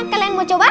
kalian mau coba